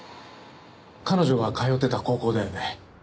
彼女が通ってた高校だよね。